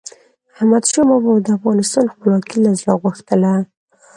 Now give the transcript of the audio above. احمدشاه بابا به د افغانستان خپلواکي له زړه غوښتله.